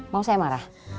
mau saya marah